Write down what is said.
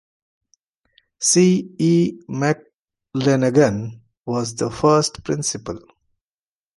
C. E. McLenagan was the first principal.